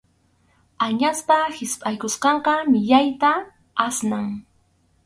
Añaspa hispʼaykusqanqa millayta asnan.